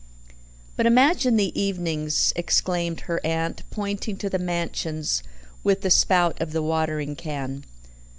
"But imagine the evenings," exclaimed her aunt, pointing to the Mansions with the spout of the watering can.